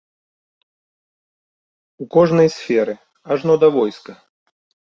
У кожнай сферы, ажно да войска.